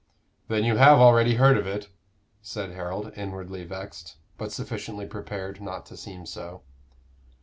"Then you have already heard of it?" said Harold, inwardly vexed, but sufficiently prepared not to seem so.